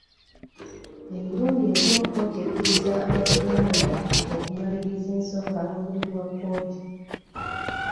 Emirundi egimu kkooti ekkiriza abavunaanibwa okumaliriza ensonga wabweru wa kkooti.